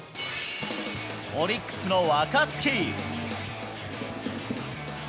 オリックスの若月。